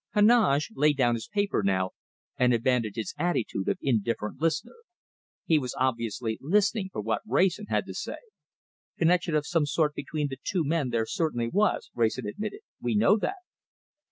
Heneage laid down his paper now, and abandoned his attitude of indifferent listener. He was obviously listening for what Wrayson had to say. "Connection of some sort between the two men there certainly was," Wrayson admitted. "We know that."